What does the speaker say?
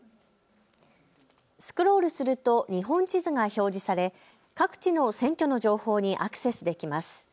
スクロールすると日本地図が表示され各地の選挙の情報にアクセスできます。